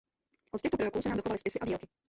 Od těchto proroků se nám dochovaly spisy a výroky.